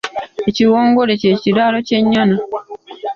Ekiwongole kye kiraalo kye nyana.